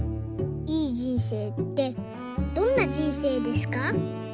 いい人生ってどんな人生ですか？」。